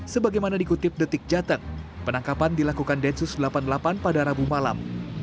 sebagaimana dikutip detik jateng penangkapan dilakukan densus delapan puluh delapan pada rabu malam